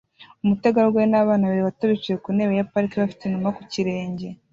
Umutegarugori nabana babiri bato bicaye ku ntebe ya parike bafite inuma ku birenge